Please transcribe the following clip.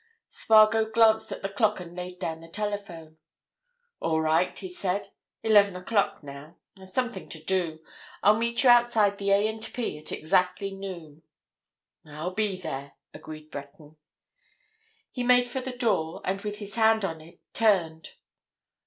Spargo glanced at the clock and laid down the telephone. "All right," he said. "Eleven o'clock, now. I've something to do. I'll meet you outside the A. and P. at exactly noon." "I'll be there," agreed Breton. He made for the door, and with his hand on it, turned.